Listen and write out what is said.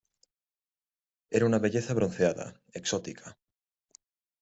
era una belleza bronceada, exótica